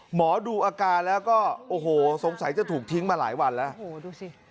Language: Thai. หมอดูอาการแล้วก็โอ้โหสงสัยจะถูกทิ้งมาหลายวันแล้วโอ้โหดูสิ